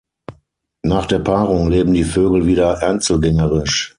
Nach der Paarung leben die Vögel wieder einzelgängerisch.